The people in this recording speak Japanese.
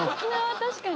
確かに。